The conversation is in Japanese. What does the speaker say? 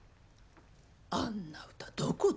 あんな歌どこで。